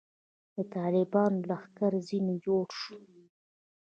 د طالبانو لښکر ځنې جوړ شو.